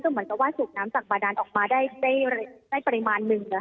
เพราะฉะนั้นสูบน้ำจากบาดานออกมาได้ประมาณหนึ่ง